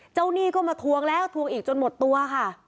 หนี้ก็มาทวงแล้วทวงอีกจนหมดตัวค่ะ